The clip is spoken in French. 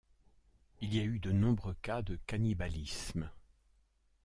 Il y a eu de nombreux cas de cannibalisme.